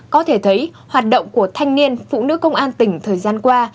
có thể thấy hoạt động của thanh niên phụ nữ công an tỉnh thời gian qua